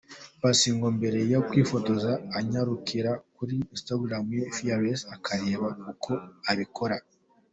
Paccy ngo mbere yo kwifotoza anyarukira kuri Instagram ya Fearless akareba uko abikora.